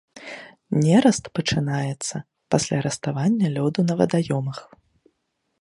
Нераст пачынаецца пасля раставання лёду на вадаёмах.